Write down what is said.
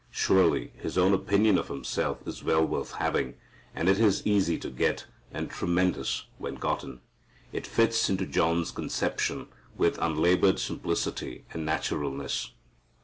Surely His own opinion of Himself is well worth having. And it is easy to get, and tremendous when gotten. It fits into John's conception with unlabored simplicity and naturalness.